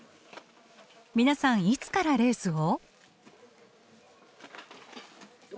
皆さんいつからレースを？